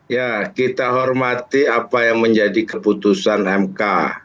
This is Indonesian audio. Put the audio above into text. ya kita hormati apa yang menjadi keputusan mk